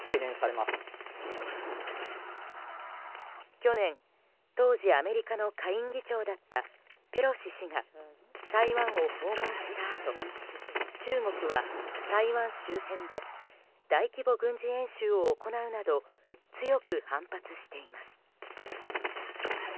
去年、当時アメリカの下院議長だったペロシ氏が台湾を訪問したあと中国は台湾周辺で大規模軍事演習を行うなど強く反発しています。